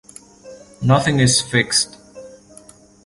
Nothing is fixed.